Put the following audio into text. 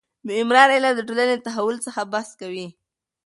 د عمران علم د ټولنې له تحول څخه بحث کوي.